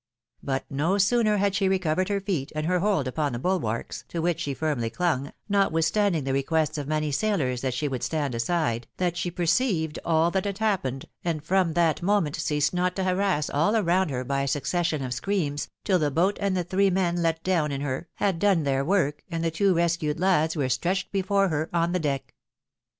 But no sooner had she THE RESCUE. 6] recovered her feet, and her hold upon the bulwarks, to whieh she firmly clung, notwithstanding the requests of many sailors that she would stand aside, that she perceived aU that had happened, and from that moment ceased not to harass all around her by a succession of screams, tOthe boat and the three men let down in her, had done their work, and the two rescued lads were stretched before her on the deck.